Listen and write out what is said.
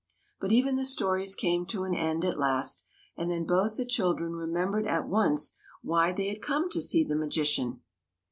But even the stories came to an end at last, and then both the children remembered at once why they had come to see the magician.